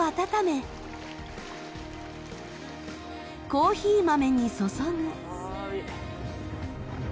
コーヒー豆にそそぐ。